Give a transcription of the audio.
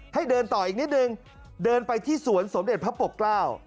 ให้เดินต่ออีกนิดนึงเดินไปที่สวนสมเด็จพระปกเกล้า